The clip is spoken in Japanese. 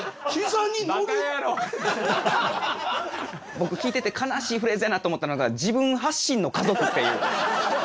僕聞いてて悲しいフレーズやなと思ったのが「自分発信の家族」っていう。